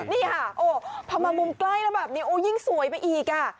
นี่ค่ะโอ้พอมามุมใกล้แล้วแบบนี้โอ้ยิ่งสวยไปอีกอ่ะ